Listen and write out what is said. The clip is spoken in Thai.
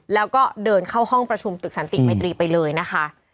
แล้วก็เดินเข้าห้องประชุมตึกสันติมัยตรีไปเลยนะคะ